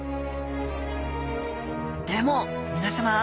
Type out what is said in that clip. でもみなさま